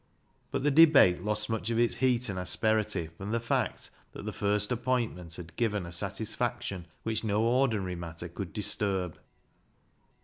But the debate lost much of its heat and asperity from the fact that the first appointment had given a satisfaction which no ordinary matter could disturb.